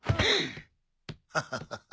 ハハハハ。